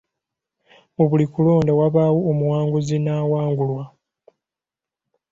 Mu buli kulonda wabaawo omuwanguzi n'awangulwa.